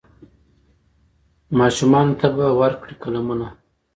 ماشومانو ته به ورکړي قلمونه